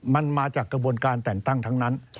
มันมาจากกระบวนการแต่งตั้งทั้งนั้น